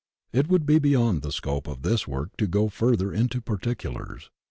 It would be beyond the scope of this work to go fur ther into particulars.